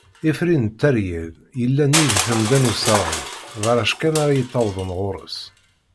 Ifri n Tteryel, yellan nnig Temda n Userɣi, d arrac kan ara yettawḍen ɣur-s.